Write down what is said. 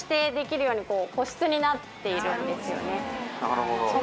なるほど。